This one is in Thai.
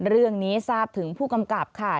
เรื่องนี้ทราบถึงผู้กำกับค่ะ